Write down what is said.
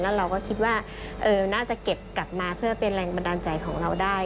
แล้วเราก็คิดว่าน่าจะเก็บกลับมาเพื่อเป็นแรงบันดาลใจของเราได้